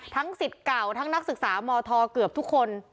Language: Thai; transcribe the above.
สิทธิ์เก่าทั้งนักศึกษามธเกือบทุกคน